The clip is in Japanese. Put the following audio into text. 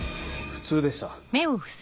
普通でした。